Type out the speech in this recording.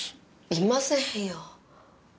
いませんよ。